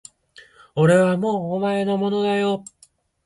俺はもうお前のものだよ